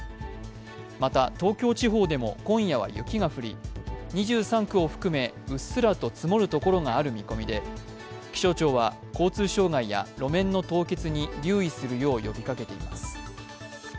また、東京地方でも今夜は雪が降り２３区を含め、うっすらと積もるところがある見込みで気象庁は交通障害や路面の凍結に留意するよう呼びかけています。